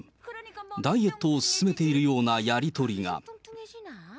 ダイエットを勧めているようなやり取りが。